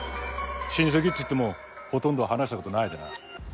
親戚っつってもほとんど話した事ないでな。